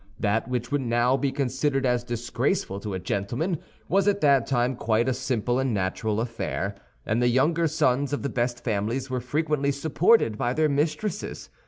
That which would now be considered as disgraceful to a gentleman was at that time quite a simple and natural affair, and the younger sons of the best families were frequently supported by their mistresses.